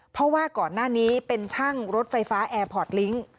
เพราะว่าก่อนหน้านี้เป็นช่างรถไฟฟ้าแอร์พอร์ตลิงค์